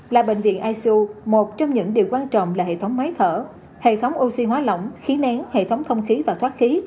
là bệnh viện isu một trong những điều quan trọng là hệ thống máy thở hệ thống oxy hóa lỏng khí nén hệ thống không khí và thoát khí